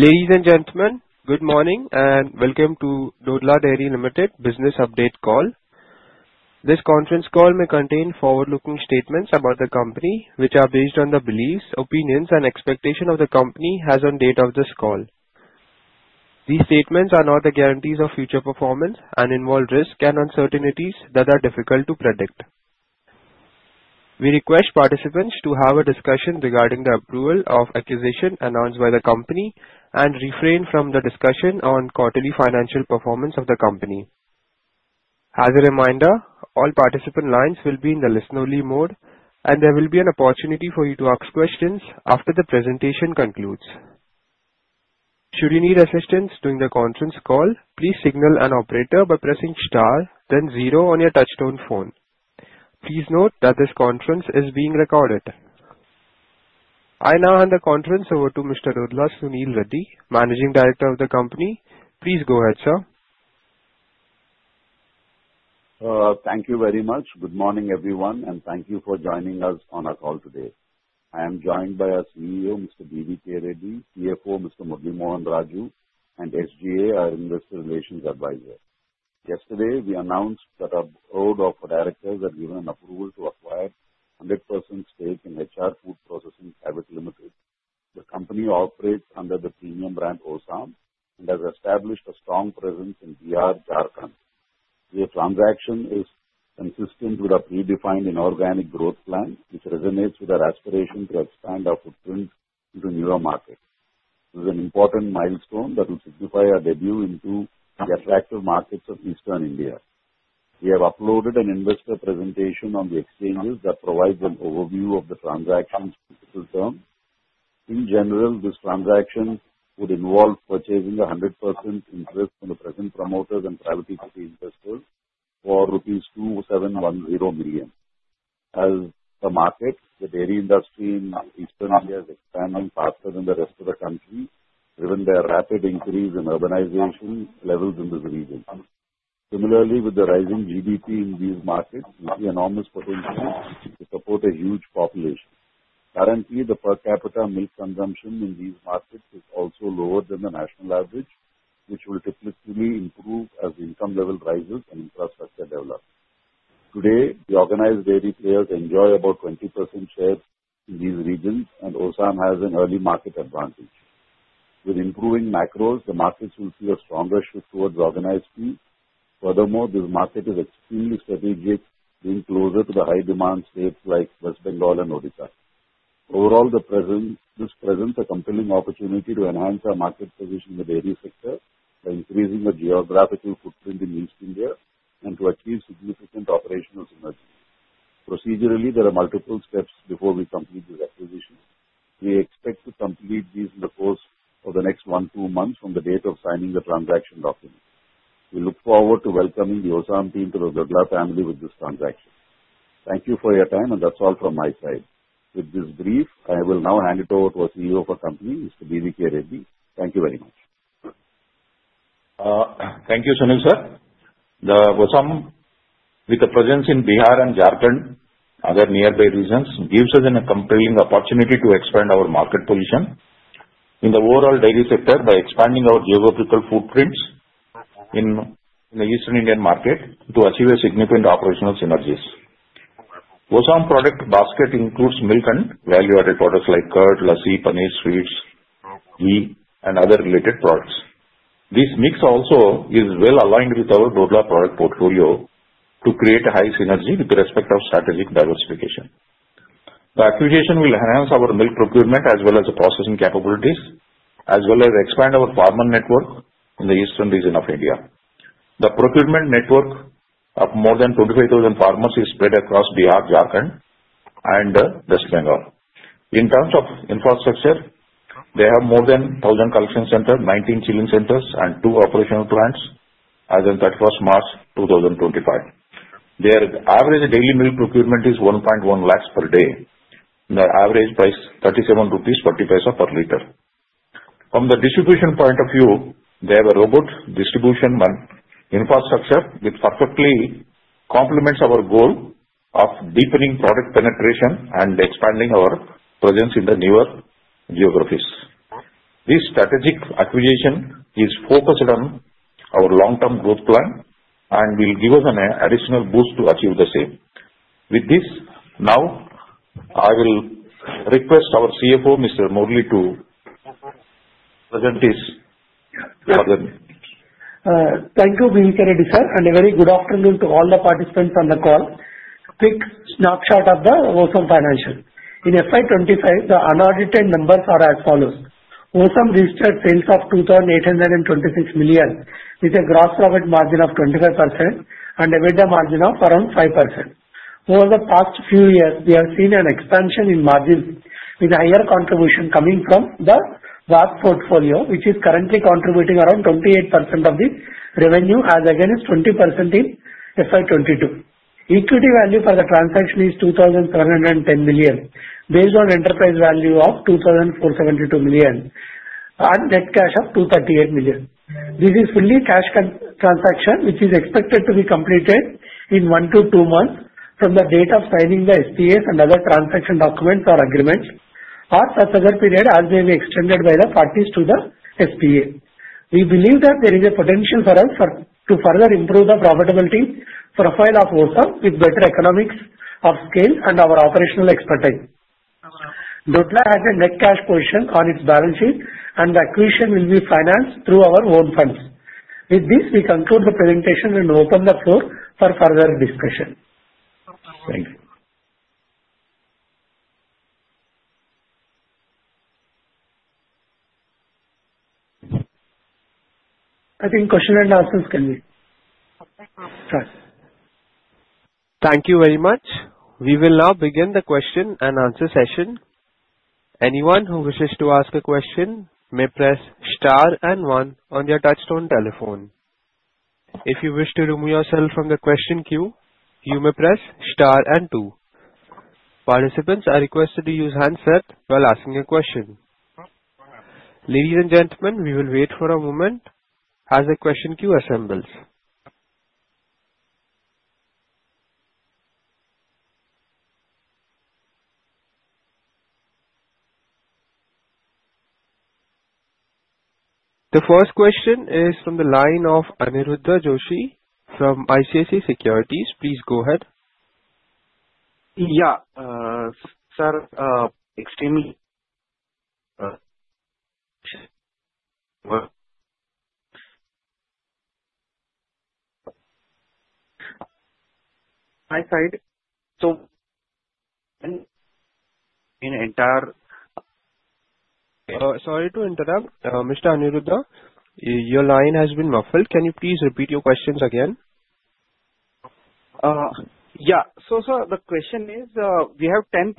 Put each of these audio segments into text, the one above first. Ladies and gentlemen, good morning and welcome to Dodla Dairy Limited Business Update Call. This conference call may contain forward-looking statements about the company, which are based on the beliefs, opinions, and expectations the company has on the date of this call. These statements are not the guarantees of future performance and involve risks and uncertainties that are difficult to predict. We request participants to have a discussion regarding the approval of acquisition announced by the company and refrain from the discussion on quarterly financial performance of the company. As a reminder, all participant lines will be in the listen-only mode, and there will be an opportunity for you to ask questions after the presentation concludes. Should you need assistance during the conference call, please signal an operator by pressing star, then zero on your touch-tone phone. Please note that this conference is being recorded. I now hand the conference over to Mr. Dodla Sunil Reddy, Managing Director of the company. Please go ahead, sir. Thank you very much. Good morning, everyone, and thank you for joining us on our call today. I am joined by our CEO, Mr. B.V.K. Reddy, CFO, Mr. Murali Mohan Reddy, and SGA, our Investor Relations Advisor. Yesterday, we announced that a Board of Directors had given approval to acquire 100% stake in HR Food Processing Private Limited. The company operates under the premium brand Osam and has established a strong presence in Bihar and Jharkhand. The transaction is consistent with our predefined inorganic growth plan, which resonates with our aspiration to expand our footprint into newer markets. It is an important milestone that will signify our debut into the attractive markets of Eastern India. We have uploaded an investor presentation on the exchanges that provides an overview of the transaction's typical terms. In general, this transaction would involve purchasing 100% interest from the present promoters and private equity investors for rupees 2710 million. As the market, the dairy industry in Eastern India is expanding faster than the rest of the country, given the rapid increase in urbanization levels in this region. Similarly, with the rising GDP in these markets, we see enormous potential to support a huge population. Currently, the per capita milk consumption in these markets is also lower than the national average, which will typically improve as income levels rise and infrastructure develops. Today, the organized dairy players enjoy about 20% shares in these regions, and Osam has an early market advantage. With improving macros, the markets will see a stronger shift towards organized field. Furthermore, this market is extremely strategic, being closer to the high-demand states like West Bengal and Odisha. Overall, this presents a compelling opportunity to enhance our market position in the dairy sector by increasing our geographical footprint in East India and to achieve significant operational synergy. Procedurally, there are multiple steps before we complete this acquisition. We expect to complete these in the course of the next one to two months from the date of signing the transaction documents. We look forward to welcoming the Osam team to the Dodla family with this transaction. Thank you for your time, and that's all from my side. With this brief, I will now hand it over to our CEO of the company, Mr. B.V.K. Reddy. Thank you very much. Thank you, Sunil sir. The Osam, with the presence in Bihar and Jharkhand, other nearby regions, gives us a compelling opportunity to expand our market position in the overall dairy sector by expanding our geographical footprints in the Eastern Indian market to achieve significant operational synergies. Osam product basket includes milk and value-added products like curd, lassi, paneer, sweets, ghee, and other related products. This mix also is well aligned with our Dodla product portfolio to create a high synergy with respect to strategic diversification. The acquisition will enhance our milk procurement as well as the processing capabilities, as well as expand our farmer network in the Eastern region of India. The procurement network of more than 25,000 farmers is spread across Bihar, Jharkhand, and West Bengal. In terms of infrastructure, they have more than 1,000 collection centers, 19 chilling centers, and two operational plants as of March 31, 2025. Their average daily milk procurement is 1.1 lakhs per day, and the average price is 37.40 per liter. From the distribution point of view, they have a robust distribution infrastructure which perfectly complements our goal of deepening product penetration and expanding our presence in the newer geographies. This strategic acquisition is focused on our long-term growth plan and will give us an additional boost to achieve the same. With this, now I will request our CFO, Mr. Murali, to present his presentation. Thank you, B.V.K. Reddy sir, and a very good afternoon to all the participants on the call. A quick snapshot of the Osam financials. In FY 25, the unaudited numbers are as follows: Osam registered sales of 2,826 million, with a gross profit margin of 25% and an EBITDA margin of around 5%. Over the past few years, we have seen an expansion in margins with a higher contribution coming from the VAP portfolio, which is currently contributing around 28% of the revenue, as against 20% in FY 22. Equity value for the transaction is 2,710 million, based on enterprise value of 2,472 million, and net cash of 238 million. This is a fully cash transaction, which is expected to be completed in one to two months from the date of signing the SPAs and other transaction documents or agreements, or such other period as may be extended by the parties to the SPA. We believe that there is a potential for us to further improve the profitability profile of Osam with better economies of scale and our operational expertise. Dodla has a net cash position on its balance sheet, and the acquisition will be financed through our own funds. With this, we conclude the presentation and open the floor for further discussion. Thank you. I think Q&A can be started. Thank you very much. We will now begin the Q&A session. Anyone who wishes to ask a question may press star and one on your touch-tone telephone. If you wish to remove yourself from the question queue, you may press star and two. Participants are requested to use handset while asking a question. Ladies and gentlemen, we will wait for a moment as the question queue assembles. The first question is from the line of Aniruddha Joshi from ICICI Securities. Please go ahead. Yeah, sir. Extremely. My side. So. In entire. Sorry to interrupt. Mr. Aniruddha, your line has been muffled. Can you please repeat your questions again? Yeah. So, sir, the question is we have 10.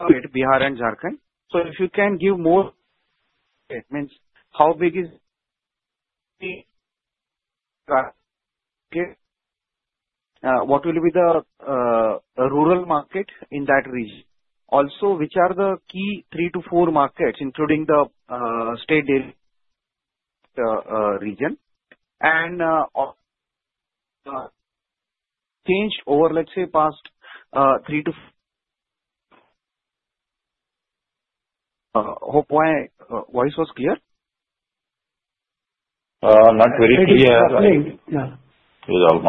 Bihar and Jharkhand. So if you can give more statements, how big is the market? What will be the rural market in that region? Also, which are the key three to four markets, including the state dairy region? And changed over, let's say, past three to. Hope my voice was clear. Not very clear. It is all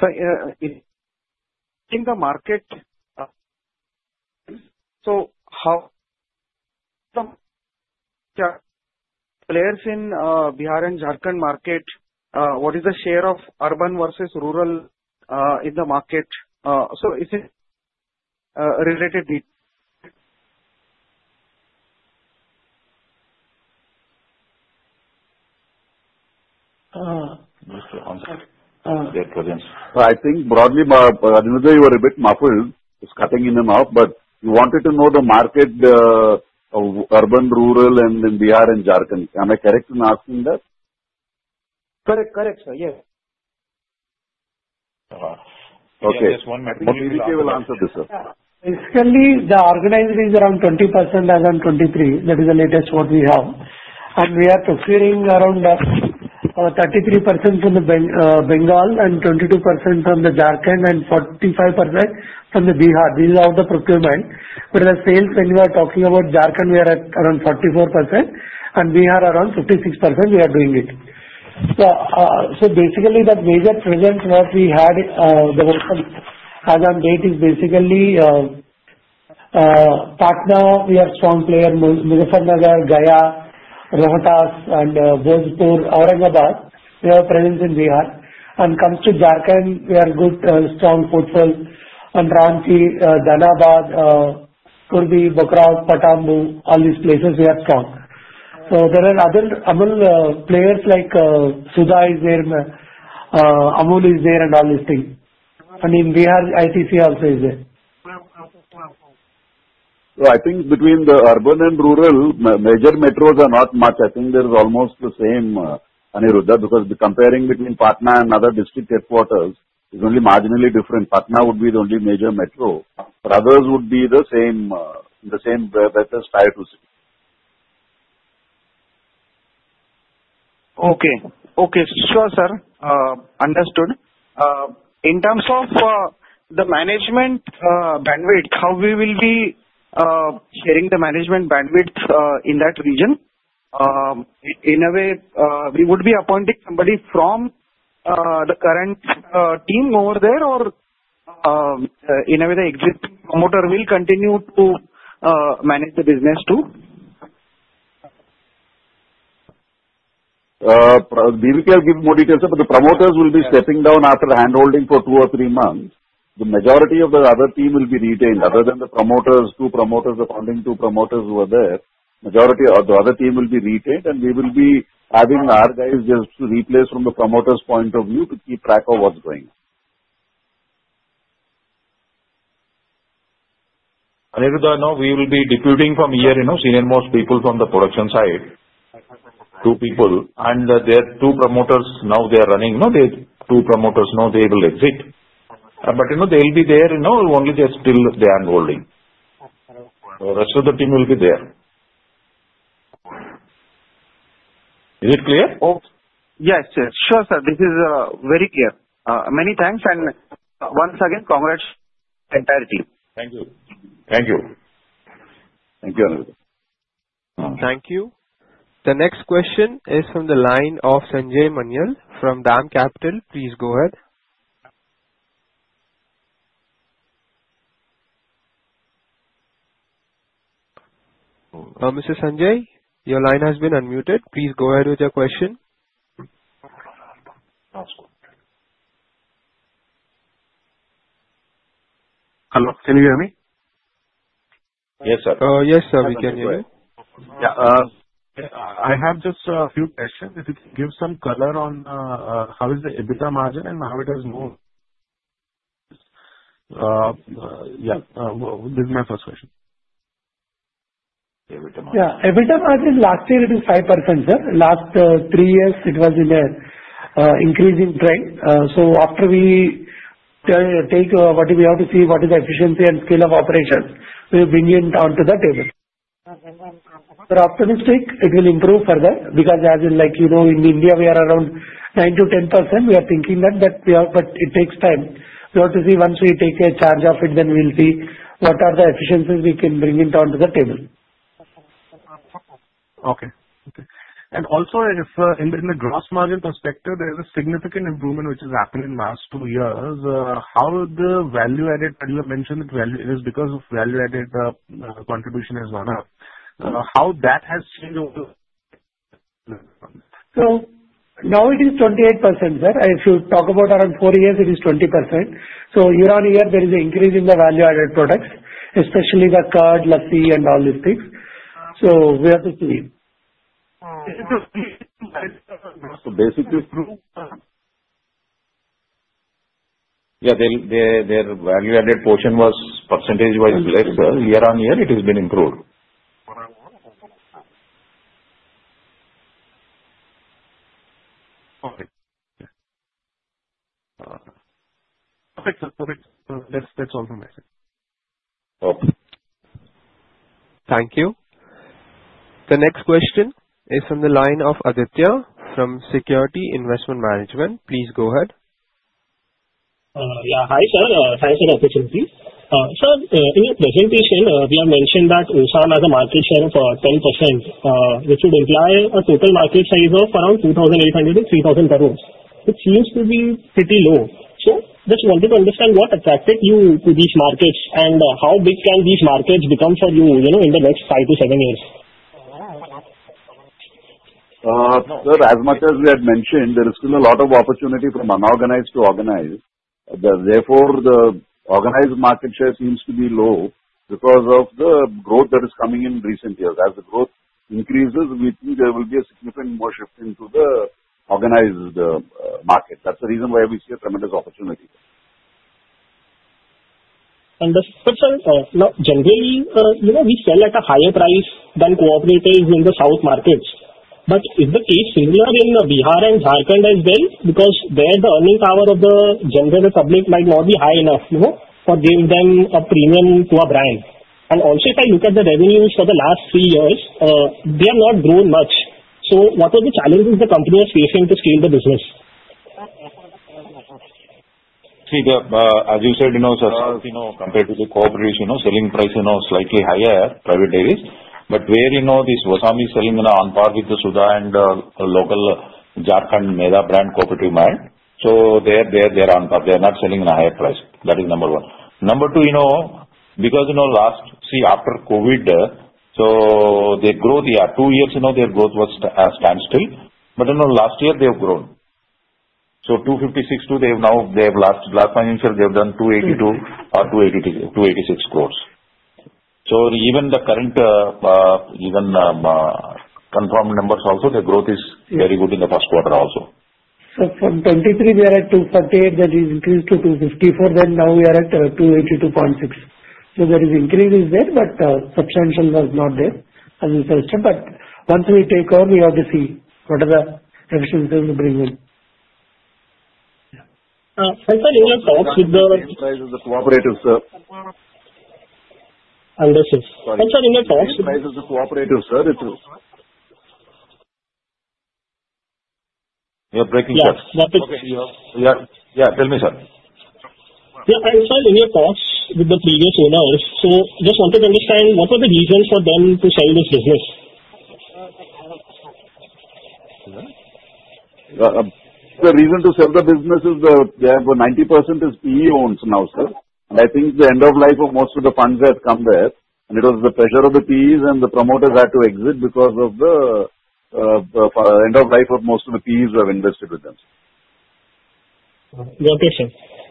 muffling. In the market, so how the players in the Bihar and Jharkhand market, what is the share of urban versus rural in the market? So is it related? I think broadly, Aniruddha, you were a bit muffled. It's cutting in and out, but you wanted to know the market, urban, rural, and then Bihar and Jharkhand. Am I correct in asking that? Correct, correct, sir. Yes. Okay. Yes, just one more question. B.V.K. will answer this, sir. Basically, the organized is around 20% as of 2023. That is the latest what we have. And we are procuring around 33% from Bengal and 22% from the Jharkhand and 45% from Bihar. These are the procurement. But the sales, when we are talking about Jharkhand, we are at around 44%, and Bihar around 56%. We are doing it. So basically, the major presence that we had the Osam as of date is basically Patna. We have strong players: Muzaffarpur, Gaya, Rohtas, and Bhojpur. Aurangabad, we have a presence in Bihar. And comes to Jharkhand, we have a good strong footfall. And Ranchi, Dhanbad, Khunti, Bokaro, Patratu, all these places we have strong. So there are other players like Sudha is there, Amul is there, and all these things. And in Bihar, ITC also is there. So, I think between the urban and rural, major metros are not much. I think there's almost the same, Aniruddha, because the comparing between Patna and other district headquarters is only marginally different. Patna would be the only major metro. But others would be the same status prior to. Okay. Okay. Sure, sir. Understood. In terms of the management bandwidth, how we will be sharing the management bandwidth in that region? In a way, we would be appointing somebody from the current team over there, or in a way, the existing promoter will continue to manage the business too? B.V.K. will give more details, sir, but the promoters will be stepping down after handholding for two or three months. The majority of the other team will be retained. Other than the promoters, two promoters, appointing two promoters who are there, the other team will be retained, and we will be having our guys just replaced from the promoter's point of view to keep track of what's going on. Aniruddha, we will be deputing from here, senior-most people from the production side, two people, and there are two promoters now. They are running. There are two promoters now. They will exit, but they'll be there only till the handholding. The rest of the team will be there. Is it clear? Yes, sir. Sure, sir. This is very clear. Many thanks, and once again, congratulations to the entire team. Thank you. Thank you. Thank you. Thank you. The next question is from the line of Sanjay Manyal from DAM Capital. Please go ahead. Mr. Sanjay, your line has been unmuted. Please go ahead with your question. Hello. Can you hear me? Yes, sir. Yes, sir. We can hear you. Yeah. I have just a few questions. If you can give some color on how is the EBITDA margin and how it has moved? Yeah. This is my first question. Yeah. EBITDA margin last year it was 5%, sir. Last three years, it was in an increasing trend. So after we take what we have to see, what is the efficiency and scale of operations, we will bring it onto the table. But optimistic, it will improve further because as in like in India, we are around 9%-10%. We are thinking that, but it takes time. We have to see once we take charge of it, then we'll see what are the efficiencies we can bring it onto the table. Okay. And also, in the gross margin perspective, there is a significant improvement which has happened in the last two years. How the value-added, Aniruddha mentioned that it is because of value-added contribution has gone up. How that has changed over the? So now it is 28%, sir. If you talk about around four years, it is 20%. So year on year, there is an increase in the value-added products, especially the curd, lassi, and all these things. So we have to see. So basically, yeah, their value-added portion was percentage-wise less, sir. Year on year, it has been improved. Okay. Perfect, sir. Perfect. That's all from my side. Okay. Thank you. The next question is from the line of Aditya from Securities Investment Management. Please go ahead. Yeah. Hi, sir. Thanks for the opportunity. Sir, in your presentation, we have mentioned that Osam has a market share of 10%, which would imply a total market size of around 2,800-3,000 crores. It seems to be pretty low. So just wanted to understand what attracted you to these markets and how big can these markets become for you in the next five to seven years? Sir, as much as we had mentioned, there is still a lot of opportunity from unorganized to organized. Therefore, the organized market share seems to be low because of the growth that is coming in recent years. As the growth increases, we think there will be a significant more shift into the organized market. That's the reason why we see a tremendous opportunity. And, sir, generally, we sell at a higher price than cooperatives in the south markets. But is the case similar in Bihar and Jharkhand as well? Because there, the earning power of the general public might not be high enough for giving them a premium to a brand. And also, if I look at the revenues for the last three years, they have not grown much. So what were the challenges the company was facing to scale the business? See, as you said, compared to the cooperatives, selling price is now slightly higher, private dairies. But where this Osam is selling on par with the Sudha and local Jharkhand Medha brand, cooperative milk. So they are on par. They are not selling at a higher price. That is number one. Number two, because last, see, after COVID, so their growth, yeah, two years, their growth was standstill. But last year, they have grown. So 256 to, they have now, last financial, they have done 282 or 286 crores. So even the current, even confirmed numbers also, their growth is very good in the first quarter also. So from 23, we are at 248. That is increased to 254. Then now we are at 282.6. So there is increase in there, but substantial was not there, as you said, sir. But once we take all, we have to see what are the efficiencies we bring in. And sir, in your thoughts with the. The price of the cooperatives, sir? I'll just say, and sir, in your thoughts. The price of the cooperatives, sir, it is. You are breaking the. Yeah. Yeah. Tell me, sir. Yeah. And sir, in your talks with the previous owners, so just wanted to understand what were the reasons for them to sell this business? The reason to sell the business is they have 90% is PE owners now, sir. And I think the end of life of most of the funds have come there. And it was the pressure of the PEs and the promoters had to exit because of the end of life of most of the PEs who have invested with them. Okay.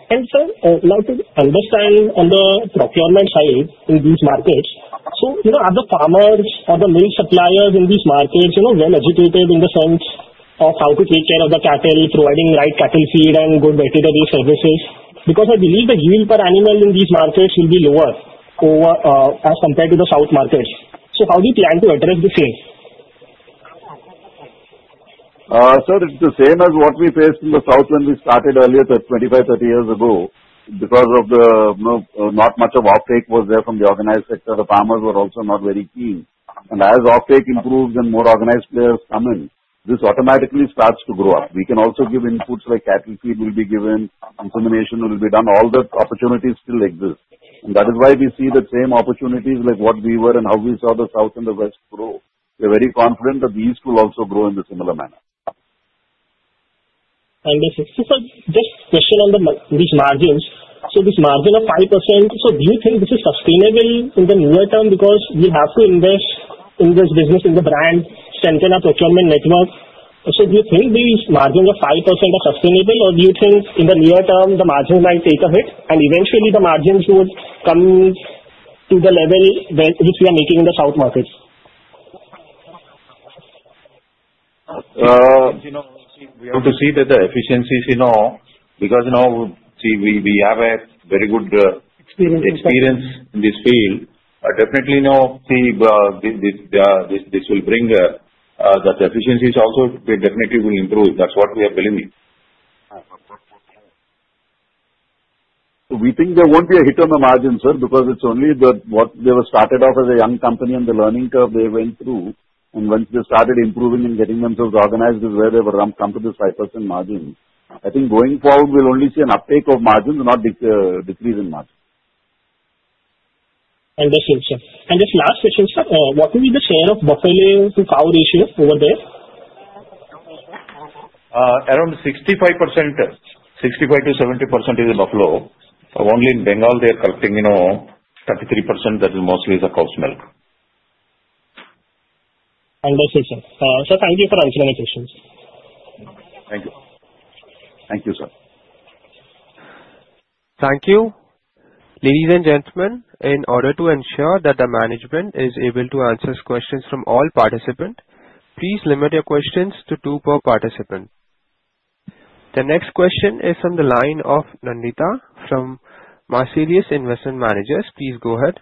And sir, now to understand on the procurement side in these markets, so are the farmers or the milk suppliers in these markets well educated in the sense of how to take care of the cattle, providing right cattle feed and good veterinary services? Because I believe the yield per animal in these markets will be lower as compared to the south markets. So how do you plan to address the same? Sir, it's the same as what we faced in the south when we started earlier, 25, 30 years ago, because of the not much offtake was there from the organized sector. The farmers were also not very keen. As offtake improves and more organized players come in, this automatically starts to grow up. We can also give inputs like cattle feed will be given, insemination will be done. All the opportunities still exist. That is why we see the same opportunities like what we were and how we saw the south and the west grow. We are very confident that these will also grow in a similar manner. Sir, just a question on these margins. This margin of 5%, do you think this is sustainable in the near term because we have to invest in this business, in the brand, strengthen our procurement network? Do you think these margins of 5% are sustainable, or do you think in the near term the margins might take a hit and eventually the margins would come to the level which we are making in the south markets? We have to see that the efficiencies because now, see, we have a very good. Experience in this field, but definitely, see, this will bring that the efficiencies also definitely will improve. That's what we are believing. We think there won't be a hit on the margins, sir, because it's only what they were started off as a young company and the learning curve they went through, and once they started improving and getting themselves organized, that's where they were dumped onto this 5% margin. I think going forward, we'll only see an uptake of margins, not decrease in margins. Understood, sir. And just last question, sir, what will be the share of buffalo to cow ratio over there? Around 65%. 65%-70% is buffalo. Only in Bengal, they are collecting 33%. That is mostly the cow's milk. Understood, sir. Sir, thank you for answering my questions. Thank you. Thank you, sir. Thank you. Ladies and gentlemen, in order to ensure that the management is able to answer questions from all participants, please limit your questions to two per participant. The next question is from the line of Nandita from Marcellus Investment Managers. Please go ahead.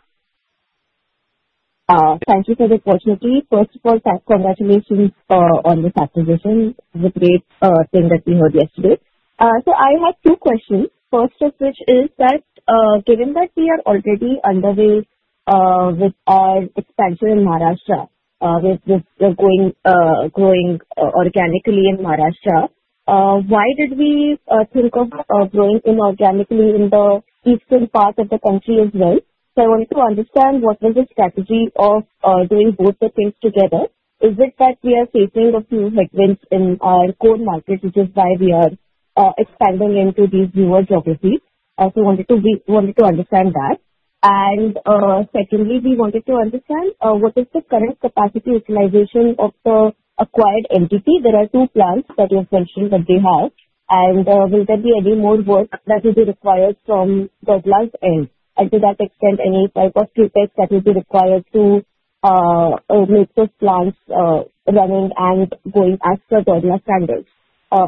Thank you for the opportunity. First of all, congratulations on this acquisition. It's a great thing that we heard yesterday. So I have two questions. First of which is that given that we are already underway with our expansion in Maharashtra, with growing organically in Maharashtra, why did we think of growing inorganically in the eastern part of the country as well? So I wanted to understand what was the strategy of doing both the things together. Is it that we are facing a few headwinds in our core market, which is why we are expanding into these newer geographies? So I wanted to understand that. And secondly, we wanted to understand what is the current capacity utilization of the acquired entity? There are two plants that you have mentioned that they have. And will there be any more work that will be required from Dodla's end? And to that extent, any type of CapEx that will be required to make those plants running and going as per Dodla standards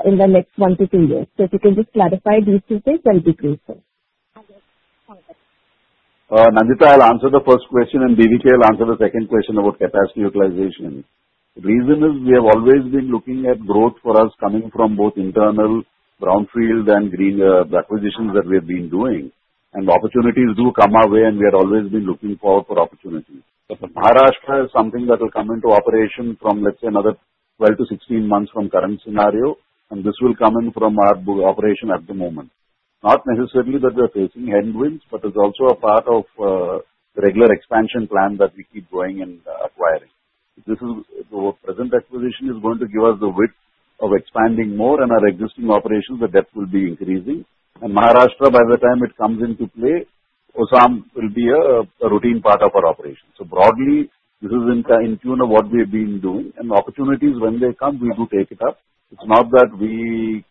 in the next one to two years? So if you can just clarify these two things, that will be great, sir. Nandita will answer the first question, and B.V.K. will answer the second question about capacity utilization. The reason is we have always been looking at growth for us coming from both internal brownfield and greenfield acquisitions that we have been doing, and opportunities do come our way, and we have always been looking for opportunities. Maharashtra is something that will come into operation from, let's say, another 12-16 months from current scenario, and this will come in from our operation at the moment. Not necessarily that we are facing headwinds, but it's also a part of the regular expansion plan that we keep going and acquiring. This present acquisition is going to give us the width of expanding more in our existing operations. The depth will be increasing, and Maharashtra, by the time it comes into play, Osam will be a routine part of our operation. So broadly, this is in tune with what we have been doing. Opportunities, when they come, we do take it up. It's not that we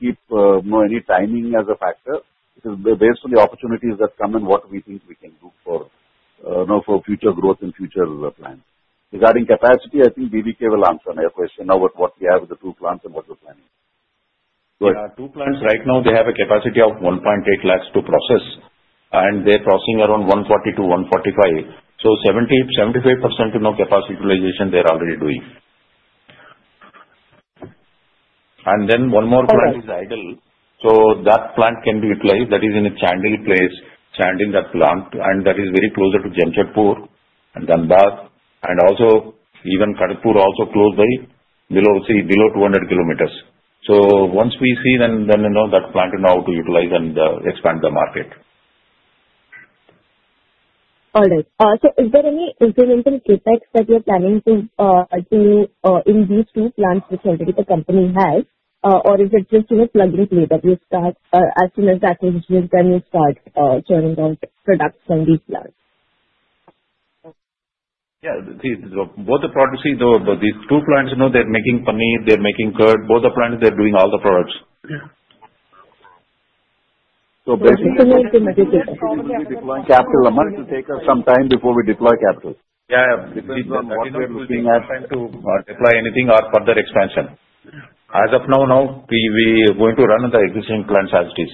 keep any timing as a factor. It is based on the opportunities that come and what we think we can do for future growth and future plans. Regarding capacity, I think B.V.K. will answer my question about what we have with the two plants and what we're planning. Yeah. Two plants right now, they have a capacity of 1.8 lakhs to process. And they're processing around 140 to 145. So 75% capacity utilization they are already doing. And then one more plant is idle. So that plant can be utilized. That is in a Chandil place, Chandil that plant, and that is very closer to Jamshedpur and Dhanbad. And also, even Kharagpur also close by, below 200 km. So once we see, then that plant is now to utilize and expand the market. All right. So, is there any incremental CapEx that you're planning to do in these two plants which already the company has? Or is it just plug and play as soon as the acquisition is done, you start churning out products from these plants? Yeah. See, both the products, see, these two plants, they're making paneer, they're making curd. Both the plants, they're doing all the products. So basically. Capital amount will take us some time before we deploy capital. Yeah. Basically, what we are looking at to deploy anything or further expansion. As of now, we are going to run on the existing plants as it is.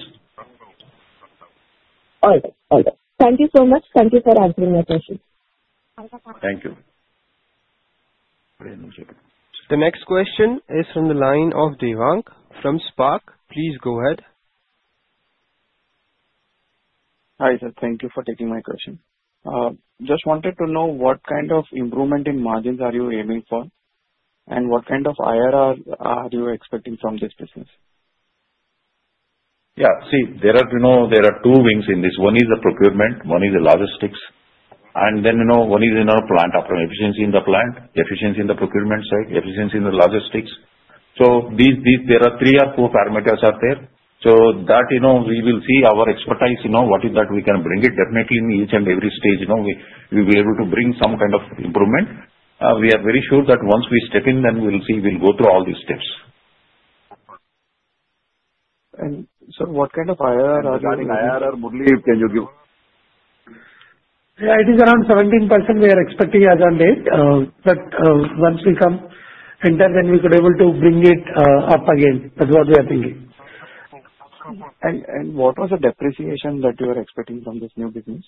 All right. All right. Thank you so much. Thank you for answering my question. Thank you. The next question is from the line of Dipanjan from Spark. Please go ahead. Hi, sir. Thank you for taking my question. Just wanted to know what kind of improvement in margins are you aiming for? And what kind of IRR are you expecting from this business? Yeah. See, there are two wings in this. One is the procurement, one is the logistics. And then one is our plant operations efficiency in the plant, efficiency in the procurement side, efficiency in the logistics. So there are three or four parameters out there. So that we will see our expertise, what is it that we can bring. Definitely, in each and every stage, we will be able to bring some kind of improvement. We are very sure that once we step in, then we'll see, we'll go through all these steps. Sir, what kind of IRR are you? IRR, can you give? Yeah. It is around 17% we are expecting as of late. But once we come in there, then we could be able to bring it up again. That's what we are thinking. What was the depreciation that you were expecting from this new business?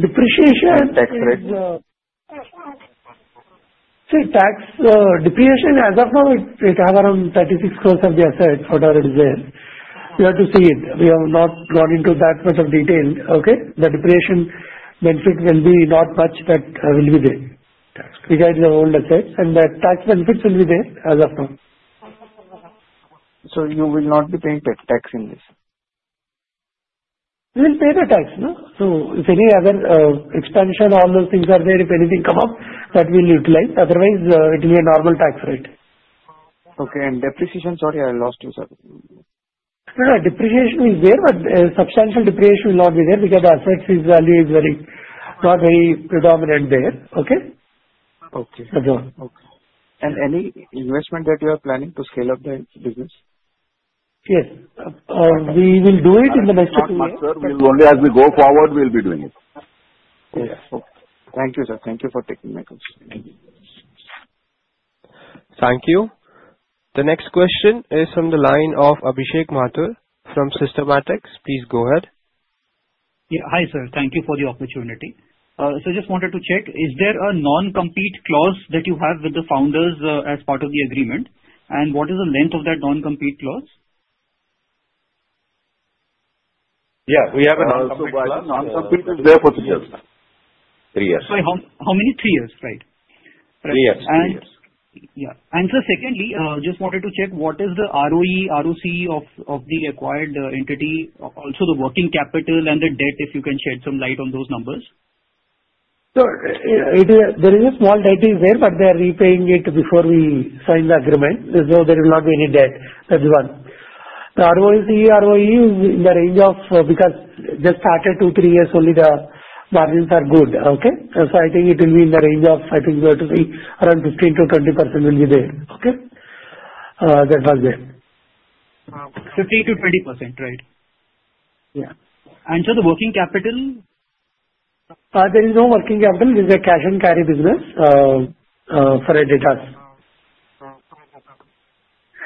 Depreciation? Tax rate. See, tax depreciation, as of now, it has around 36 crores of the asset, whatever it is there. You have to see it. We have not gone into that much of detail. Okay? The depreciation benefit will be not much that will be there. We got the old assets, and the tax benefits will be there as of now. So you will not be paying tax in this? We will pay the tax, so if any other expansion, all those things are there, if anything come up, that will utilize. Otherwise, it will be a normal tax rate. Okay. And depreciation, sorry, I lost you, sir. No, depreciation is there, but substantial depreciation will not be there because the asset value is not very predominant there. Okay? Okay. That's all. Okay. And any investment that you are planning to scale up the business? Yes. We will do it in the next few years. As we go forward, we'll be doing it. Yes. Thank you, sir. Thank you for taking my question. Thank you. The next question is from the line of Abhishek Mathur from Systematix. Please go ahead. Yeah. Hi, sir. Thank you for the opportunity. So just wanted to check, is there a non-compete clause that you have with the founders as part of the agreement? And what is the length of that non-compete clause? Yeah. We have a non-compete clause for three years. How many? Three years, right? Three years. Yeah. Sir, secondly, just wanted to check, what is the ROE, ROCE of the acquired entity, also the working capital and the debt, if you can shed some light on those numbers? Sir, there is a small debt there, but they are repaying it before we sign the agreement. There will not be any debt. That's one. The ROCE, ROE is in the range of because just started two, three years, only the margins are good. Okay? So I think it will be in the range of, I think we have to see around 15%-20% will be there. Okay? That was it. 15%-20%, right? Yeah. Sir, the working capital? There is no working capital. This is a cash and carry business for Dodla. Credit is a normal standard. Understood.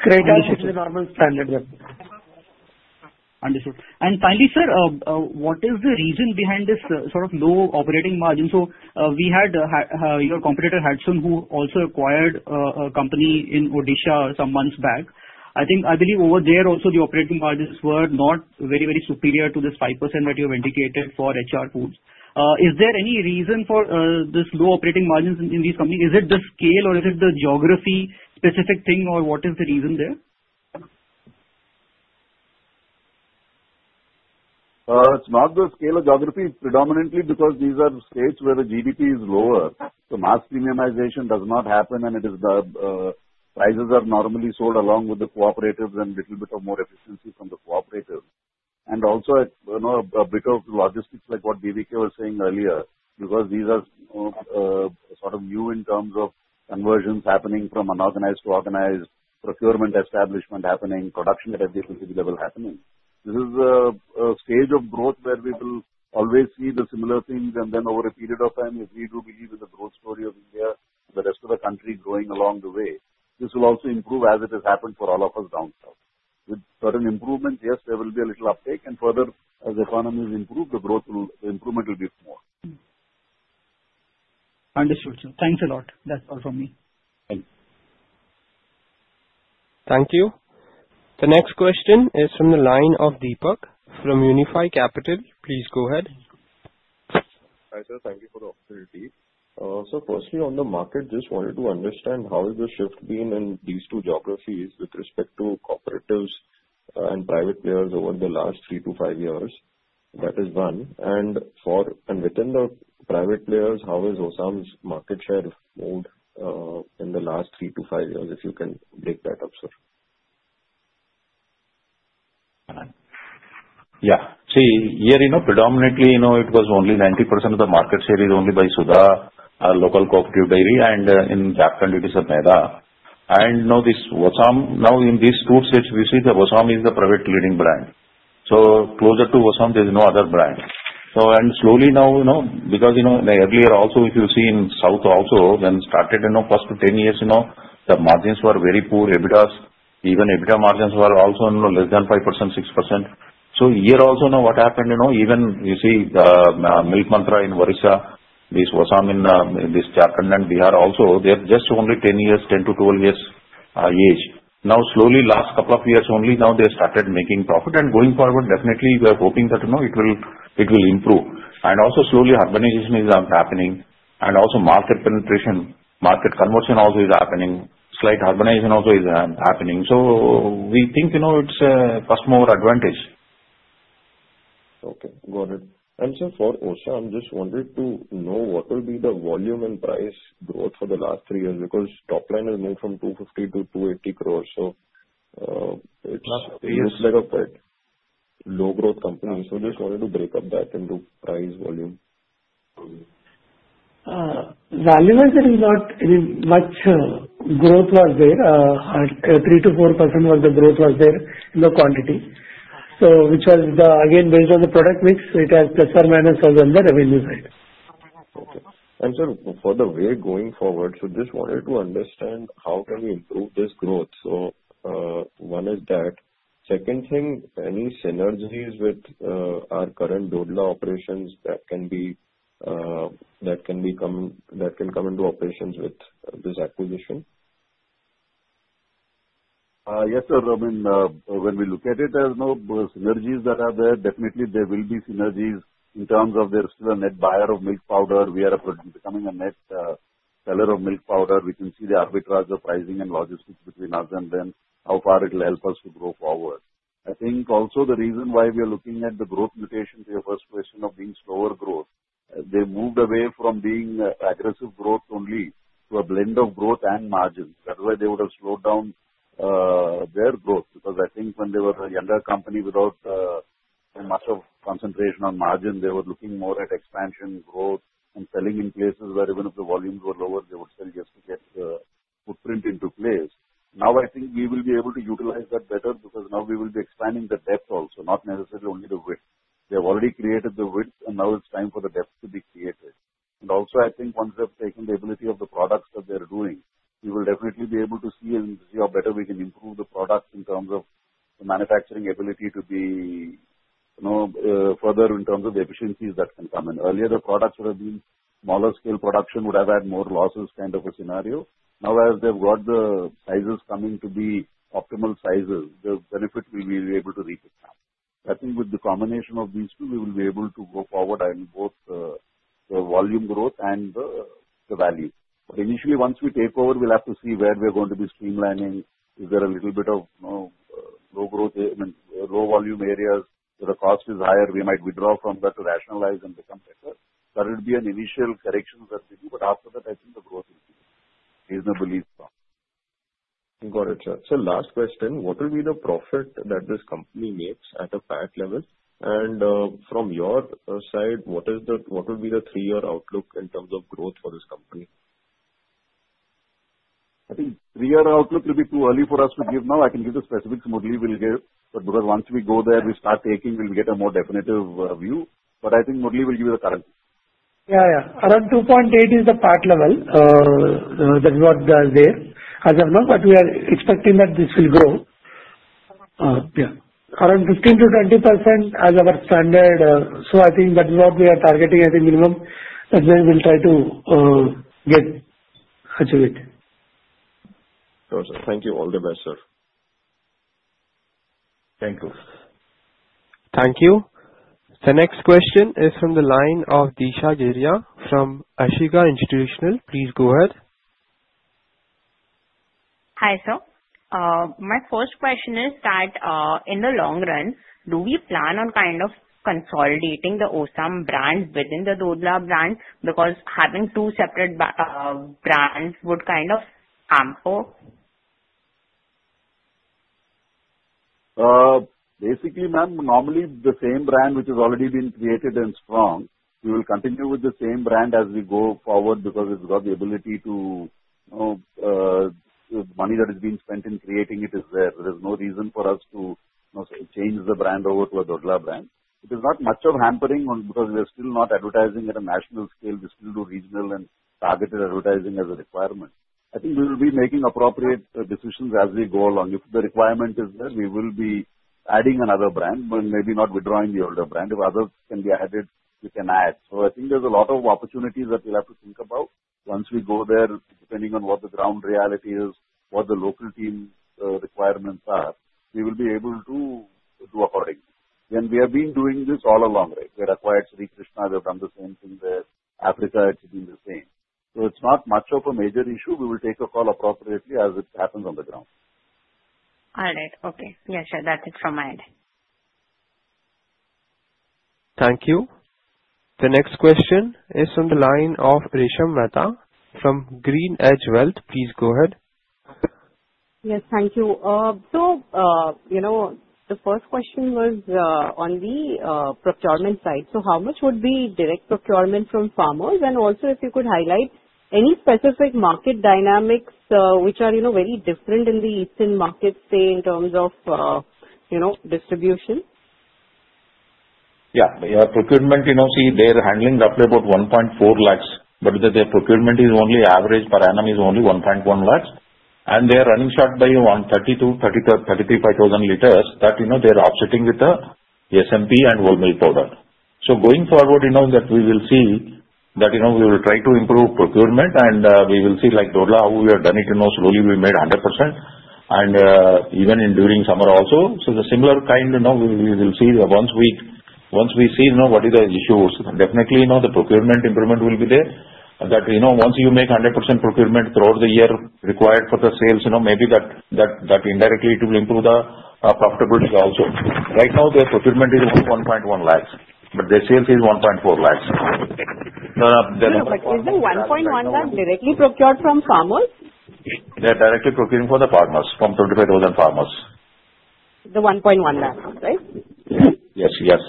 And finally, sir, what is the reason behind this sort of low operating margin? So we had your competitor, Hatsun, who also acquired a company in Odisha some months back. I believe over there, also, the operating margins were not very, very superior to this 5% that you have indicated for HR Foods. Is there any reason for this low operating margins in these companies? Is it the scale, or is it the geography-specific thing, or what is the reason there? It's not the scale or geography predominantly because these are states where the GDP is lower. So mass premiumization does not happen, and the prices are normally sold along with the cooperatives and a little bit of more efficiency from the cooperatives, and also a bit of logistics, like what B.V.K. was saying earlier, because these are sort of new in terms of conversions happening from unorganized to organized, procurement establishment happening, production at every level happening. This is a stage of growth where we will always see the similar things, and then over a period of time, if we do believe in the growth story of India and the rest of the country growing along the way, this will also improve as it has happened for all of us down south. With certain improvements, yes, there will be a little uptake, and further, as the economy has improved, the improvement will be more. Understood, sir. Thanks a lot. That's all from me. Thanks. Thank you. The next question is from the line of Deepak from Unifi Capital. Please go ahead. Hi sir, thank you for the opportunity. So firstly, on the market, just wanted to understand how has the shift been in these two geographies with respect to cooperatives and private players over the last three to five years. That is one. And within the private players, how has Osam's market share moved in the last three to five years, if you can break that up, sir? Yeah. See, here predominantly, it was only 90% of the market share is only by Sudha, local cooperative dairy, and in Jharkhand, it is Medha, and now Osam in these two states, you see that Osam is the private leading brand, so closer to Osam, there is no other brand, and slowly now, because earlier also, if you see in south also, when started in the first 10 years, the margins were very poor. Even EBITDA margins were also less than 5%, 6%. So here also, what happened, even you see Milk Mantra in Odisha, this Osam in this Jharkhand, Bihar also, they have just only 10 years, 10 to 12 years age. Now, slowly, last couple of years only, now they started making profit, and going forward, definitely, we are hoping that it will improve, and also, slowly, urbanization is happening. And also, market penetration, market conversion also is happening. Slight urbanization also is happening. so we think it's a customer advantage. Okay. Got it. And sir, for Osam, just wanted to know what will be the volume and price growth for the last three years because top line has moved from 250-280 scores. So it looks like a quite low-growth company. So just wanted to break up that into price, volume. Value is not much. Growth was there. 3-4% was the growth there in the quantity, which was again based on the product mix. It has plus or minus on the revenue side. Okay. And, sir, for the way going forward, so just wanted to understand how can we improve this growth. So one is that. Second thing, any synergies with our current Dodla operations that can come into operations with this acquisition? Yes, sir. I mean, when we look at it, there are no synergies that are there. Definitely, there will be synergies in terms of there's still a net buyer of milk powder. We are becoming a net seller of milk powder. We can see the arbitrage of pricing and logistics between us and them, how far it will help us to grow forward. I think also the reason why we are looking at the growth moderation to your first question of being slower growth, they moved away from being aggressive growth only to a blend of growth and margins. That's why they would have slowed down their growth because I think when they were a younger company without much of concentration on margin, they were looking more at expansion, growth, and selling in places where even if the volumes were lower, they would sell just to get the footprint into place. Now, I think we will be able to utilize that better because now we will be expanding the depth also, not necessarily only the width. They have already created the width, and now it's time for the depth to be created. And also, I think once they have taken the ability of the products that they are doing, we will definitely be able to see how better we can improve the products in terms of the manufacturing ability to be further in terms of the efficiencies that can come. Earlier, the products that have been smaller scale production would have had more losses kind of a scenario. Now, as they've got the sizes coming to be optimal sizes, the benefit will be able to reach it now. I think with the combination of these two, we will be able to go forward in both the volume growth and the value. Initially, once we take over, we'll have to see where we're going to be streamlining. Is there a little bit of low-growth, low-volume areas where the cost is higher? We might withdraw from that to rationalize and become better. That will be an initial correction that we do. After that, I think the growth will be reasonably strong. Got it. Sir, last question. What will be the profit that this company makes at a PAT level? And from your side, what will be the three-year outlook in terms of growth for this company? I think three-year outlook will be too early for us to give now. I can give the specifics broadly because once we go there, we start taking, we'll get a more definitive view. But I think broadly we'll give you the current. Yeah. Yeah. Around 2.8 is the PAT level. That's what is there. As of now, but we are expecting that this will grow. Around 15%-20% as our standard. So I think that is what we are targeting, I think, minimum. And then we'll try to get touch of it. Got it. Thank you. All the best, sir. Thank you. Thank you. The next question is from the line of Disha Giria from Ashika Institutional Equities. Please go ahead. Hi sir. My first question is that in the long run, do we plan on kind of consolidating the Osam brand within the Dodla brand? Because having two separate brands would kind of ample. Basically, ma'am, normally the same brand which has already been created and strong, we will continue with the same brand as we go forward because it's got the ability to recoup the money that is being spent in creating it is there. There is no reason for us to change the brand over to a Dodla brand. It is not much of a hampering because we are still not advertising at a national scale. We still do regional and targeted advertising as a requirement. I think we will be making appropriate decisions as we go along. If the requirement is there, we will be adding another brand, but maybe not withdrawing the older brand. If others can be added, we can add. So I think there's a lot of opportunities that we'll have to think about. Once we go there, depending on what the ground reality is, what the local team requirements are, we will be able to do accordingly. And we have been doing this all along, right? We had acquired Sri Krishna. We have done the same thing there. Africa has been the same. So it's not much of a major issue. We will take a call appropriately as it happens on the ground. All right. Okay. Yeah, sure. That's it from my end. Thank you. The next question is from the line of Resha Mehta from GreenEdge Wealth. Please go ahead. Yes, thank you. So, you know, the first question was on the procurement side. So how much would be direct procurement from farmers? And also, if you could highlight any specific market dynamics which are very different in the Eastern market, say, in terms of, you know, distribution? Yeah. Procurement, see, they're handling roughly about 1.4 lakhs, but their procurement is only average per annum is only 1.1 lakhs, and they are running short by 32,000-35,000 liters that they are offsetting with the SMP and whole milk powder, so going forward, we will see that we will try to improve procurement, and we will see like Dodla, how we have done it. Slowly, we made 100%, and even during summer also, so the similar kind, we will see once we see once we see what are the issues. Definitely, the procurement improvement will be there. That once you make 100% procurement throughout the year required for the sales, maybe that that indirectly it will improve the profitability also. Right now, their procurement is 1.1 lakhs, but their sales is 1.4 lakhs. Is the 1.1 lakh directly procured from farmers? They are directly procuring for the farmers from 35,000 farmers. The 1.1 lakhs, right? Yes. Yes.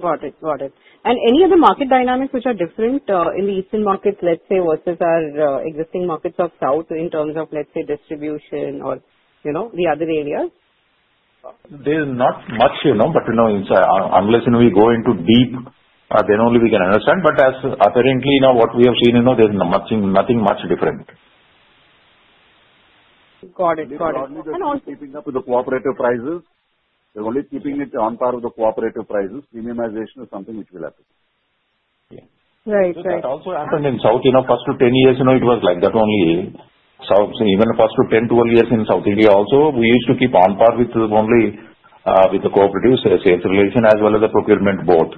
Got it. Got it. And any other market dynamics which are different in the Eastern markets, let's say, versus our existing markets of south in terms of, let's say, distribution or the other areas? There is not much, but unless we go into deep, then only we can understand. But apparently, what we have seen, there is nothing much different. Got it. Got it. Also keeping up with the cooperative prices. We're only keeping it on par with the cooperative prices. Premiumization is something which will happen. Right. Right. It also happened in South. First 10 years, it was like that only. Even first 10, 12 years in South India also, we used to keep on par only with the cooperative sales relation as well as the procurement both.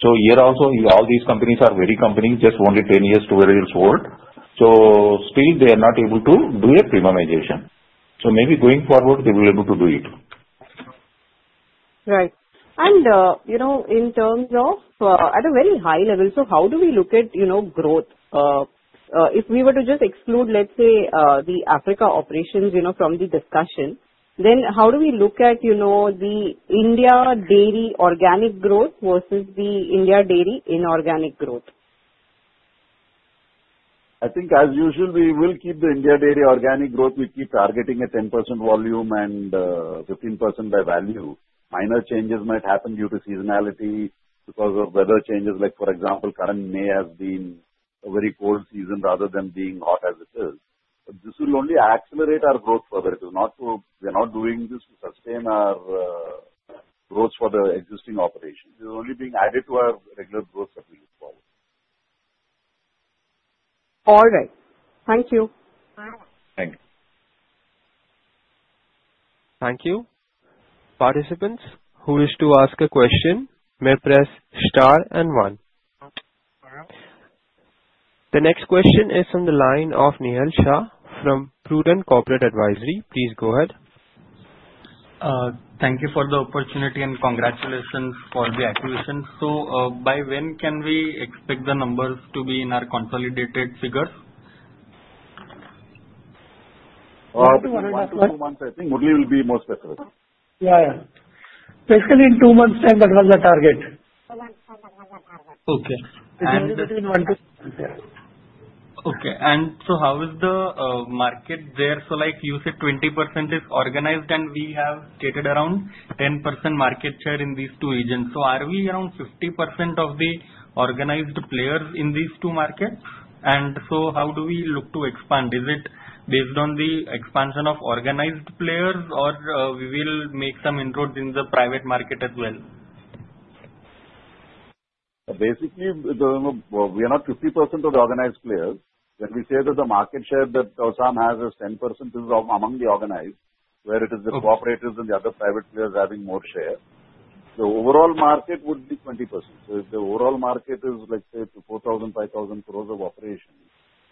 So here also, all these companies are very companies just only 10 years old where it's worked. So still, they are not able to do a premiumization. So maybe going forward, they will be able to do it. Right. And, you know, in terms of at a very high level, so how do we look at growth? If we were to just exclude, let's say, the Africa operations from the discussion, then how do we look at the India dairy organic growth versus the India dairy inorganic growth? I think as usual, we will keep the Indian dairy organic growth. We keep targeting a 10% volume and 15% by value. Minor changes might happen due to seasonality because of weather changes. For example, current May has been a very cold season rather than being hot as it is. This will only accelerate our growth further. We are not doing this to sustain our growth for the existing operation. It is only being added to our regular growth that we look forward. All right. Thank you. Thank you. Thank you. Participants who wish to ask a question, may press star and one. The next question is from the line of Nihal Shah from Prudent Corporate Advisory. Please go ahead. Thank you for the opportunity and congratulations for the acquisition. So by when can we expect the numbers to be in our consolidated figures? I think Murali will be more specific. Yeah. Yeah. Basically, in two months' time, that was the target. Okay. Okay. And so how is the market there? So you said 20% is organized, and we have stated around 10% market share in these two regions. So are we around 50% of the organized players in these two markets? And so how do we look to expand? Is it based on the expansion of organized players, or we will make some inroads in the private market as well? Basically, we are not 50% of the organized players. When we say that the market share that Osam has is 10% among the organized, where it is the cooperators and the other private players having more share. The overall market would be 20%. So if the overall market is, let's say, 4,000-5,000 crores of operations,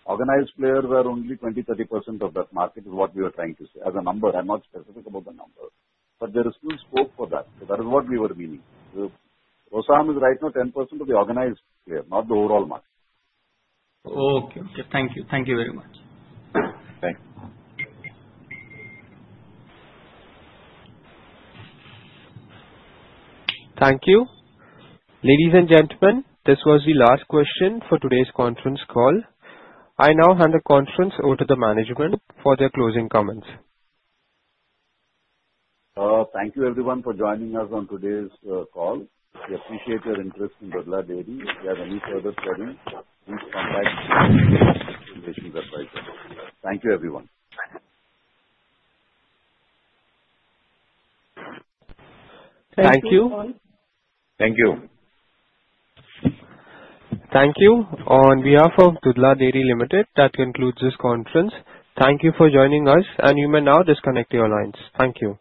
organized players are only 20-30% of that market is what we are trying to say as a number. I'm not specific about the number. But there is still scope for that. So that is what we were meaning. Osam is right now 10% of the organized player, not the overall market. Okay. Okay. Thank you. Thank you very much. Thank you. Thank you. Ladies and gentlemen, this was the last question for today's conference call. I now hand the conference over to the management for their closing comments. Thank you, everyone, for joining us on today's call. We appreciate your interest in Dodla Dairy. If you have any further queries, please contact the organization's advisor. Thank you, everyone. Thank you. Thank you. Thank you. On behalf of Dodla Dairy Limited, that concludes this conference. Thank you for joining us, and you may now disconnect your lines. Thank you.